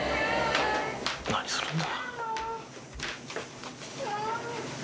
何するんだ。